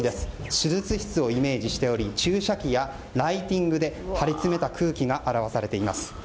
手術室をイメージしており注射器やライティングで張りつめた空気が表されています。